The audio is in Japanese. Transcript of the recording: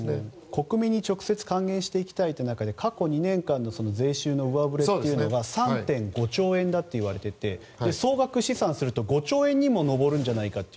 国民に直接還元していきたいという中で過去２年間の税収の上振れが３．５兆円だといわれていて総額試算すると５兆円にも上るんじゃないかと。